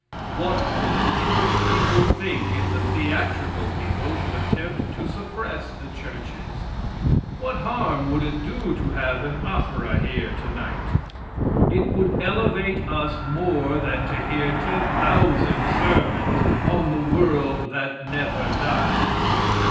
What would the church people think if the theatrical people should attempt to suppress the churches? What harm would it do to have an opera here tonight? It would elevate us more than to hear ten thousand sermons on the world that never dies.